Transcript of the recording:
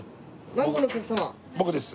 僕です。